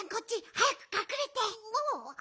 はやくかくれて。